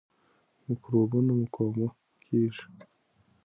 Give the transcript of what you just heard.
میکروبونه مقاوم کیږي.